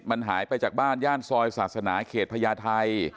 มันหายไปจากบ้านย่านซอยศาสนาเขตพญาไทย